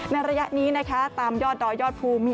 ระยะนี้นะคะตามยอดดอยยอดภูมิ